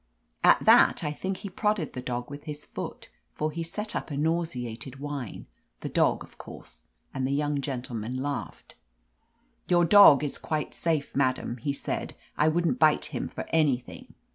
At that I think he prodded the dog with his foot, for he set up a nauseated whine — ^the dog, of course — ^and the young gentleman laughed. "Your dog is quite safe, madam," he said. "I wouldn't bite him for anything."